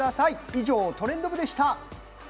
以上「トレンド部」でした。